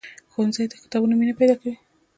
ښوونځی د کتابونو مینه پیدا کوي